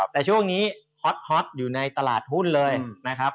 แต่ช่วงนี้ฮอตอยู่ในตลาดหุ้นเลยนะครับ